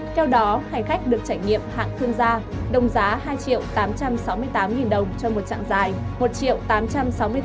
theo đó hành khách được trải nghiệm hạng thương gia đồng giá hai triệu tám trăm sáu mươi tám đồng cho một trạng dài